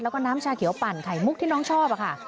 แล้วก็น้ำชาเขียวปั่นไข่มุกที่น้องชอบค่ะ